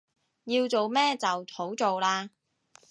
要做咩就好做喇